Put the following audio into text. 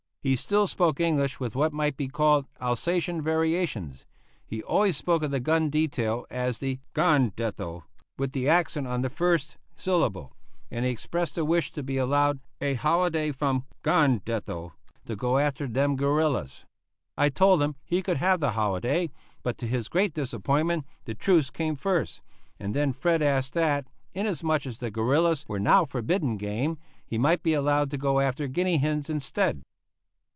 He still spoke English with what might be called Alsatian variations he always spoke of the gun detail as the "gondetle," with the accent on the first syllable and he expressed a wish to be allowed "a holiday from the gondetle to go after dem gorrillas." I told him he could have the holiday, but to his great disappointment the truce came first, and then Fred asked that, inasmuch as the "gorrillas" were now forbidden game, he might be allowed to go after guinea hens instead.